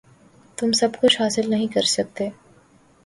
تم سب کچھ حاصل نہیں کر سکتے۔